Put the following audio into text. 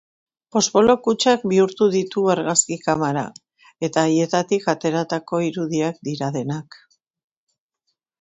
Poxpolo kutxak bihurtu ditu argazki kamara eta aietatik ateratako irudiak dira denak.